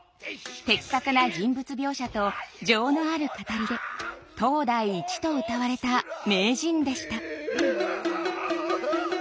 的確な人間描写と情のある語りで「当代一」とうたわれた名人でした。